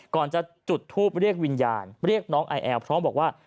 ก่อนจะจุดทูปเรียกวิญญาณเรียกน้องไอแอลพร้อมบอกว่า